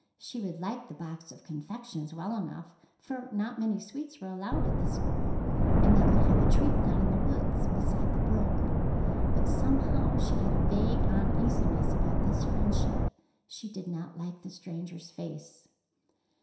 She would like the box of confections well enough, for not many sweets were allowed at the school and they could have a treat down in the woods, beside the brook. But somehow she had a vague uneasiness about this friendship. She did not like the stranger's face.